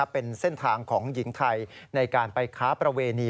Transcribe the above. เป็นเส้นทางของหญิงไทยในการไปค้าประเวณี